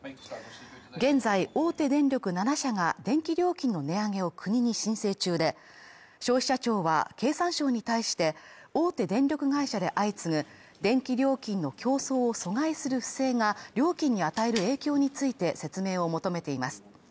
現在、大手電力７社が電気料金の値上げを国に申請中で、消費者庁は、経産省に対して、大手電力会社で相次ぐ電気料金の競争を阻害する不正が料金に与える影響について説明を求めています。